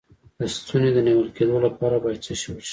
د ستوني د نیول کیدو لپاره باید څه شی وڅښم؟